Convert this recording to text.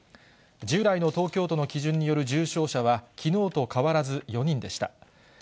従来の東京都の基準による重症者は、きのうと変わらず４人でした。